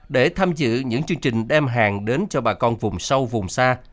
để tham dự những chương trình đem hàng đến cho bà con vùng sâu vùng xa